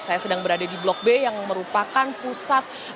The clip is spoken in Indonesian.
saya sedang berada di blok b yang merupakan pusat